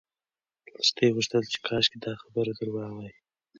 لښتې غوښتل چې کاشکې دا خبر درواغ وای.